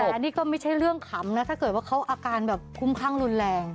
แต่อันนี้ก็ไม่ใช่เรื่องขำนะถ้าเกิดว่าเขาอาการแบบคุ้มข้างรุนแรง